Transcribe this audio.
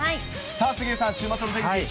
杉江さん、週末のお天気。